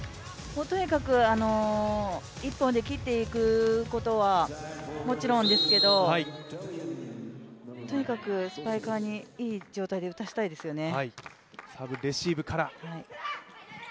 とにかく１本で切っていくことはもちろんですけど、とにかくスパイカーに、いい状態で打たせたいですよね。